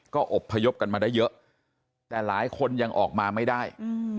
ก็อบพยพกันมาได้เยอะแต่หลายคนยังออกมาไม่ได้